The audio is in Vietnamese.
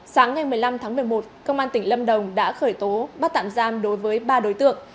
sáng ngày một mươi năm tháng một mươi một công an tỉnh lâm đồng đã khởi tố bắt tạm giam đối với ba đối tượng